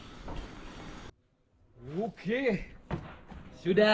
sudah malam matahari sudah nyaris terbenam sempurna